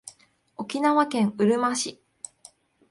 沖縄県うるま市